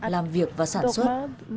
làm việc và sản xuất